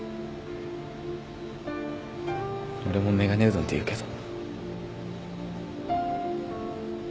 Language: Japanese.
俺もメガネうどんって言うけど。